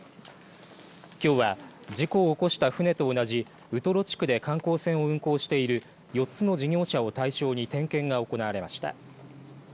きょうは事故を起こした船と同じウトロ地区で観光船を運航している４つの事業者を対象に点検が行われました。